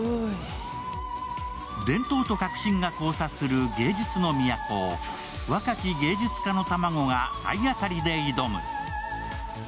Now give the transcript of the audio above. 伝統と革新が交錯する芸術の都を若き芸術家の卵が体当たりで挑む。